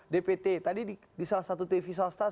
dpt tadi di salah satu tv swasta